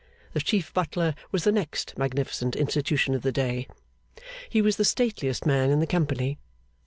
The chief butler was the next magnificent institution of the day. He was the stateliest man in the company.